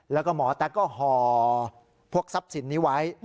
แล้วก็หมอแต๊กก็ห่อพวกทรัพย์สินนี้ไว้